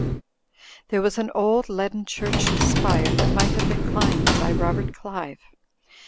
There was an old leaden church spire that might have been climbed by Robert Qive.